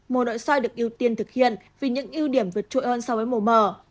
mổ nội soi được ưu tiên thực hiện vì những ưu điểm vượt trội hơn so với mổ mờ